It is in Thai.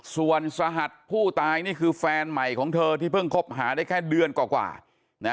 ส่วนสหัสผู้ตายนี่คือแฟนใหม่ของเธอที่เพิ่งคบหาได้แค่เดือนกว่านะ